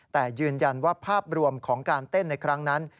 แต่ยืนยันว่าภาพรวมของการเต้นในครั้งนั้น